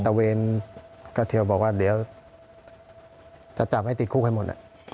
ตะเวนกระเทียวบอกว่าเดี๋ยวจะจับให้ติดคุกให้หมด